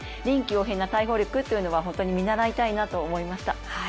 臨機応変な対応力というのは本当に見習いたいなと思いました。